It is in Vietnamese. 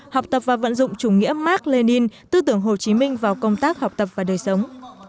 học tập và vận dụng chủ nghĩa mark lenin tư tưởng hồ chí minh vào công tác học tập và đời sống